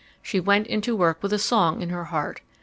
She went into work with a song in her heart.